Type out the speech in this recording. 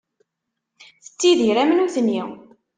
Tettidir am nutni.